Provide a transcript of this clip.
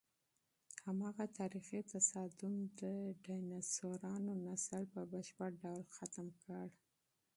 هماغه تاریخي تصادم د ډیناسورانو نسل په بشپړ ډول ختم کړ.